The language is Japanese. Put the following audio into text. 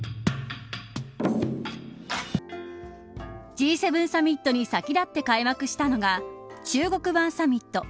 Ｇ７サミットに先立って開幕したのが中国版サミット